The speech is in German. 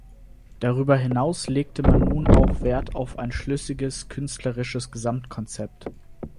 Darüber hinaus legte man nun auch Wert auf ein schlüssiges künstlerisches Gesamtkonzept.